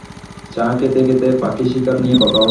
চা খেতে-খেতে পাখি শিকার নিয়ে কথা হলো।